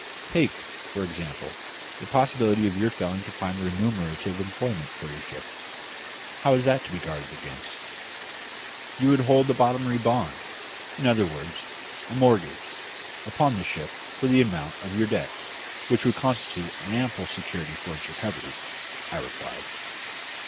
Take, for example, the possibility of your failing to find remunerative employment for your ship. How is that to be guarded against?" "You would hold a bottomry bond in other words, a mortgage upon the ship for the amount of your debt, which would constitute an ample security for its recovery," I replied.